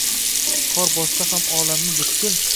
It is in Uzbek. Qor bossa ham olamni butkul